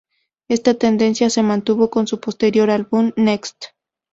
Esta tendencia se mantuvo con su posterior álbum, "Next!